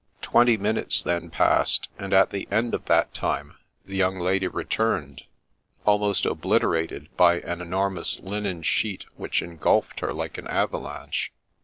Twenty minutes then passed, and at the end of that time the young lady returned, almost obliterated by an enormous linen sheet which engulfed her like an avalanche.